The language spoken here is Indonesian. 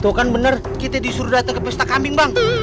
tuh kan bener bisa kita di sur ke pesta kambing